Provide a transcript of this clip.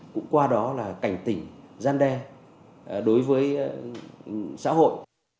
cũng qua đó là cảnh tỉnh gian đe đối với xã hội